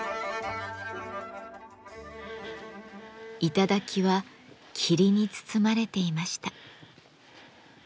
頂は霧に包まれていました。